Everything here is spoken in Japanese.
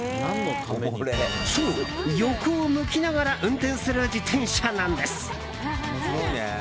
そう、横を向きながら運転する自転車なんです。